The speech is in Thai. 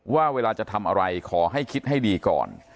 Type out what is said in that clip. ว่าเวลาจะทำอะไรขอให้คิดให้ดีก่อน